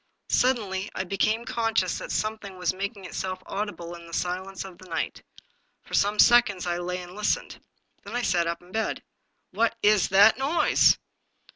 Suddenly I became conscious that something was making itself audible in the silence of the night. For some seconds I lay and listened. Then I sat up in bed. "What w that noise?"